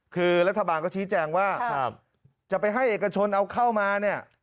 คือรัฐบาลก็ชี้แจงว่าจะไปให้เอกชนเอาเข้ามาเนี่ย